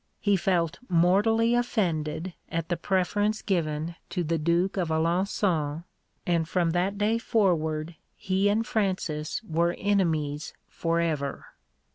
He felt mortally offended at the preference given to the Duke of Alençon, and from that day forward he and Francis were enemies for ever.